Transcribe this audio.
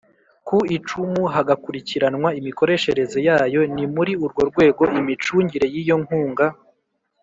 Ku icumu hagakurikiranwa imikoresherereze yayo ni muri urwo rwego imicungire y iyo nkunga